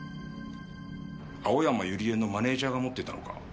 青山ユリエのマネジャーが持っていたのか。